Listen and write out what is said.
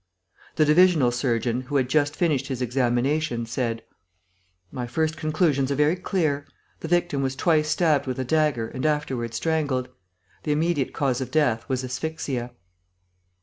The divisional surgeon, who had just finished his examination, said: "My first conclusions are very clear. The victim was twice stabbed with a dagger and afterward strangled. The immediate cause of death was asphyxia."